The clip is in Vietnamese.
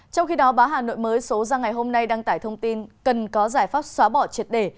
trong khi đó báo hà nội mới số ra ngày hôm nay đăng tải thông tin cần có giải pháp xóa bỏ triệt để